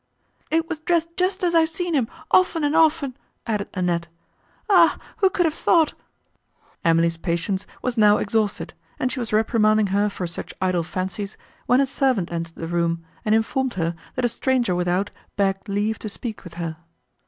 "It was dressed just as I have seen him, often and often," added Annette. "Ah! who could have thought—" Emily's patience was now exhausted, and she was reprimanding her for such idle fancies, when a servant entered the room, and informed her, that a stranger without begged leave to speak with her.